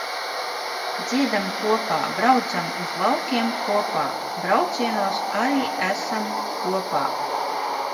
Dziedam kopā, braucam uz laukiem kopā, braucienos arī esam kopā.